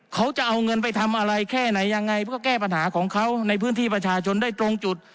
เขาจะเอาเงินไปทำอะไรแค่ไหนยังไงเพื่อแก้ปัญหาของเขาในพื้นที่ประชาชนได้ตรงจุด